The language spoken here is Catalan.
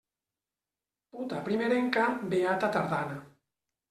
Puta primerenca, beata tardana.